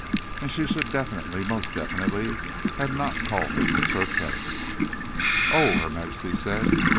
And she should definitely, most definitely, not have called him "Sir Kenneth." "Oh," Her Majesty said.